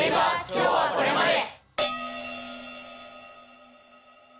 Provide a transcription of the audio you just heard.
今日はこれまで！